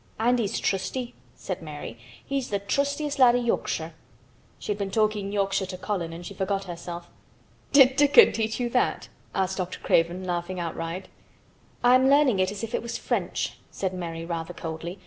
"And he's trusty," said Mary. "He's th' trustiest lad i' Yorkshire." She had been talking Yorkshire to Colin and she forgot herself. "Did Dickon teach you that?" asked Dr. Craven, laughing outright. "I'm learning it as if it was French," said Mary rather coldly.